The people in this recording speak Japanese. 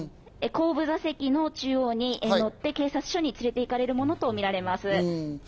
後部座席の中央に乗って警察に連れて行かれるものとみられます。